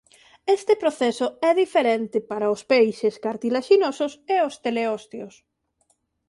Este proceso é diferente para os peixes cartilaxinosos e os teleósteos.